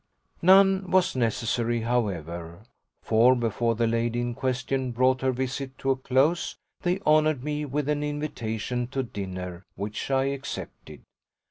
None was necessary, however, for before the lady in question brought her visit to a close they honoured me with an invitation to dinner, which I accepted.